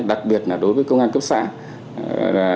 đặc biệt là đối với công an cấp xã